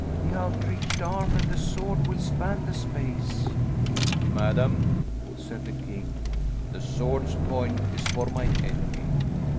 The outreached arm and the sword will span the space." "Madam," said the king, "the sword's point is for my enemy.